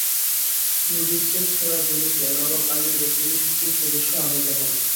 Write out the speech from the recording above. দুর্বৃত্তের ছোড়া গুলিতে নবাব আলী ও পুলিশের তিন সদস্য আহত হন।